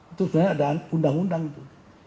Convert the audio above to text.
itu sebenarnya ada undang undang itu